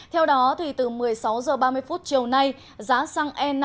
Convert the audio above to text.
theo đó từ một mươi sáu h ba mươi chiều nay giá xăng e năm